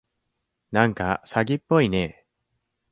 なんか詐欺っぽいね。